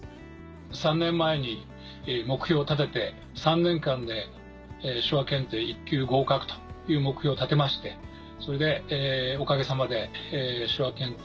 ３年前に目標を立てて「３年間で手話検定１級合格」という目標を立てましてそれでおかげさまで手話検定